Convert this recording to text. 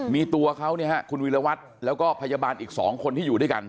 มีตัวเขาเนี่ยฮะคุณวิรวัตรแล้วก็พยาบาลอีก๒คนที่อยู่ด้วยกัน